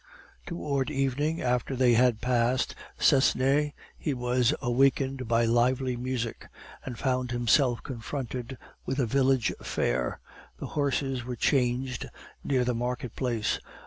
Towards evening, after they had passed Cesne, he was awakened by lively music, and found himself confronted with a village fair. The horses were changed near the marketplace.